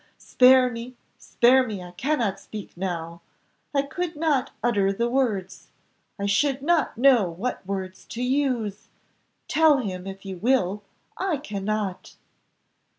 Spare me spare me, I cannot speak now. I could not utter the words; I should not know what words to use. Tell him if you will, I cannot."